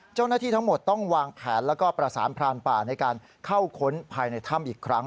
เจ้าหน้าที่ทั้งหมดต้องวางแผนแล้วก็ประสานพรานป่าในการเข้าค้นภายในถ้ำอีกครั้ง